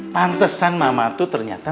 pantesan mama tuh ternyata